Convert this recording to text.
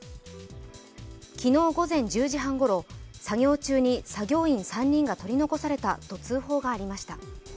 昨日午前１０時半ごろ、作業中に作業員３人が取り残されたと通報がありました。